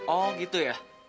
oh gitu ya